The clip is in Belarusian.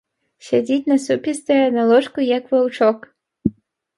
Сядзіць насупістая на ложку, як ваўчок.